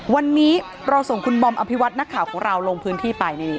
วันนี้เราส่งคุณบอมอภิวัตินักข่าวของเราลงพื้นที่ไป